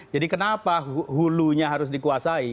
jadi kenapa hulunya harus dikuasai